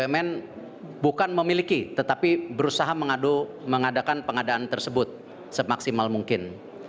bumn bukan memiliki tetapi berusaha mengadakan pengadaan tersebut semaksimal mungkin